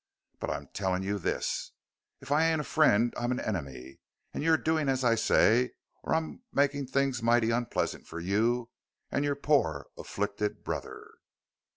But I'm telling you this: If I ain't a friend I'm an enemy, and you're doing as I say or I'm making things mighty unpleasant for you and your poor, 'afflicted' brother!"